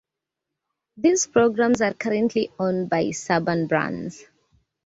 These programs are currently owned by Saban Brands.